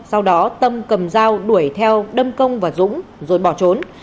sau đó tâm cầm dao đuổi theo đâm công và dũng rồi bỏ trốn